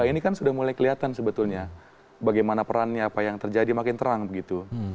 ini kan sudah mulai kelihatan sebetulnya bagaimana perannya apa yang terjadi makin terang begitu